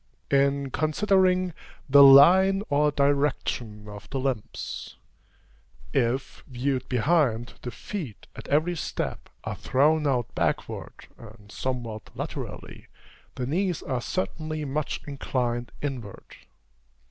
In considering the line or direction of the limbs if, viewed behind, the feet, at every step, are thrown out backward, and somewhat laterally, the knees are certainly much inclined inward.